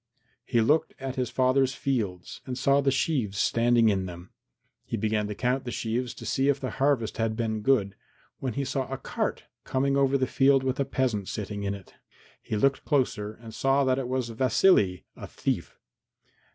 He looked at his father's fields and saw the sheaves standing in them. He began to count the sheaves to see if the harvest had been good, when he saw a cart coming over the field with a peasant sitting in it. He looked closer and saw that it was Vasily, a thief.